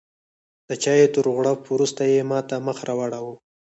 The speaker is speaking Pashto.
د چایو تر غوړپ وروسته یې ماته مخ راواړوه.